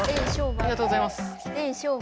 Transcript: ありがとうございます。